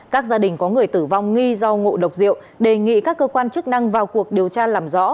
các gia đình có người tử vong nghi do ngộ độc rượu đề nghị các cơ quan chức năng vào cuộc điều tra làm rõ